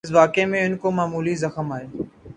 اس واقعے میں ان کو معمولی زخم آئے۔